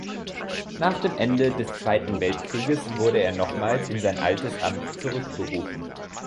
Nach dem Ende des Zweiten Weltkrieges wurde er nochmals in sein altes Amt zurückberufen.